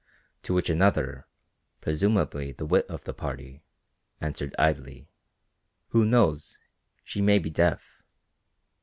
To which another, presumably the wit of the party, answered idly, "Who knows, she may be deaf."